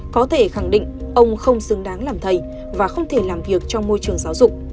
có thể khẳng định ông không xứng đáng làm thầy và không thể làm việc trong môi trường giáo dục